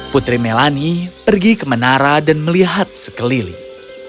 putri melani pergi ke menara dan melihat sekeliling